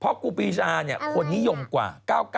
เพราะครูปีชาคนนิยมกว่า๙๙